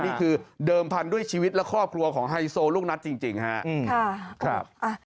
นี่คือเดิมพันธุ์ด้วยชีวิตและครอบครัวของไฮโซลูกนัดจริงครับ